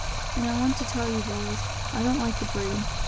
And I want to tell you, boys, I don't like the breed.